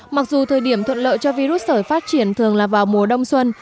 mặc dù thời điểm thuận lợi cho virus sởi phát triển thường là vào mùa đông xuân